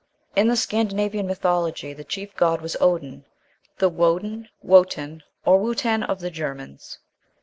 In the Scandinavian mythology the chief god was Odin, the Woden, Wotan, or Wuotan of the Germans.